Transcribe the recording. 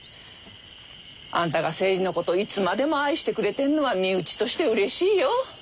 あんたが精二のこといつまでも愛してくれてるのは身内としてうれしいよ。